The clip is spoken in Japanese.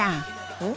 うん？